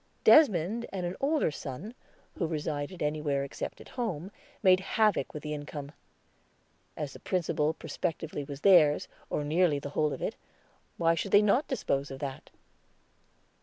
Desmond and an older son, who resided anywhere except at home, made havoc with the income. As the principal prospectively was theirs, or nearly the whole of it, why should they not dispose of that?